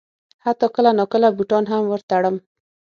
حتی کله ناکله بوټان هم ور تړم.